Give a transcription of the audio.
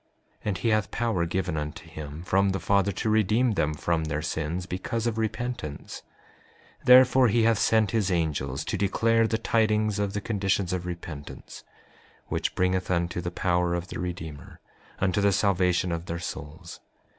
5:11 And he hath power given unto him from the Father to redeem them from their sins because of repentance; therefore he hath sent his angels to declare the tidings of the conditions of repentance, which bringeth unto the power of the Redeemer, unto the salvation of their souls.